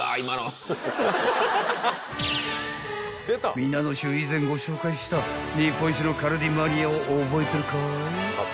［皆の衆以前ご紹介した日本一のカルディマニアを覚えてるかい？］